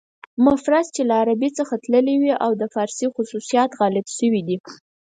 مفرس چې له عربي څخه تللي وي او د فارسي خصوصیات غالب شوي دي.